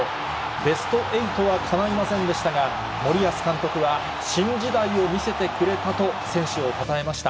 ベスト８はかないませんでしたが、森保監督は新時代を見せてくれたと、選手をたたえました。